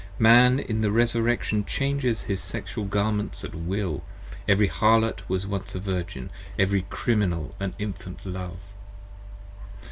Man in the Resurrection changes his Sexual Garments at Will: 52 Every Harlot was once a Virgin: every Criminal an Infant Love!